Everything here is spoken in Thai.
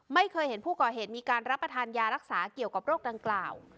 ไม่เคยเห็นผู้ก่อเหตุมีการรับประทานยารักษาเกี่ยวกับโรคดังกล่าว